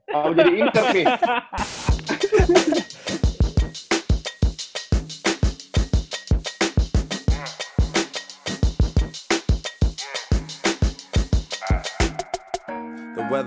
mau jadi inter nih